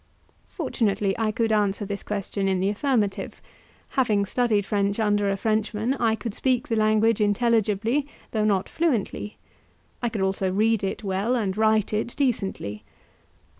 Fortunately I could answer this question in the affirmative; having studied French under a Frenchman, I could speak the language intelligibly though not fluently. I could also read it well, and write it decently.